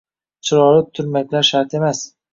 chiroyli turmaklar shart emas